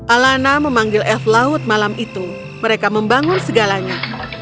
alanna memanggil elf laut malam itu mereka membangun segalanya